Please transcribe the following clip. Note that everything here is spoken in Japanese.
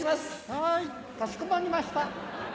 はいかしこまりました。